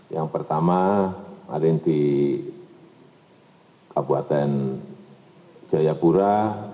yang pertama hari ini di kabupaten jayapura